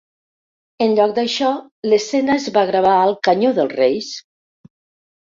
En lloc d'això, l'escena es va gravar al Canyó dels Reis.